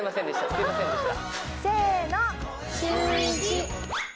すみませんでした。